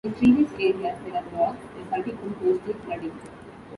In treeless areas there are bogs, resulting from coastal flooding.